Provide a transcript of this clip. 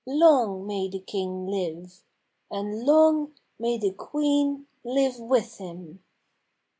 Long may the king live! And long may the queen live with him!"